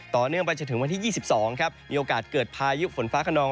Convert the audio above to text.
ต่อเนื่องไปจนถึงวันที่๒๒ครับมีโอกาสเกิดพายุฝนฟ้าขนอง